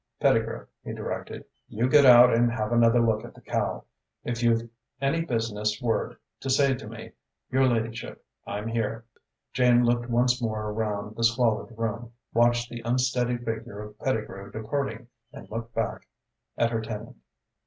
"Pettigrew," he directed, "you get out and have another look at the cow. If you've any business word to say to me, your ladyship, I'm here." Jane looked once more around the squalid room, watched the unsteady figure of Pettigrew departing and looked back at her tenant.